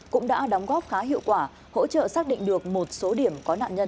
cũng đã đóng góp khá hiệu quả hỗ trợ xác định được một số điểm có nạn nhân